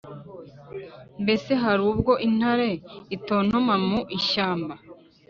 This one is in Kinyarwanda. Mbese hari ubwo intare itontoma mu ishyamba